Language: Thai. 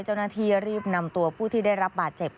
เจ้าหน้าที่รีบนำตัวผู้ที่ได้รับบาดเจ็บ